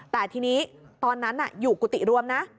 แต่ทีนี้ตอนนั้นอยู่กุฏิรวมนะ